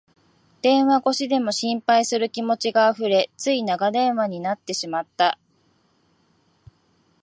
電話越しでも心配する気持ちがあふれ、つい長電話になってしまった